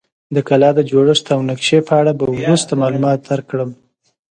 د کلا د جوړښت او نقشې په اړه به وروسته معلومات درکړم.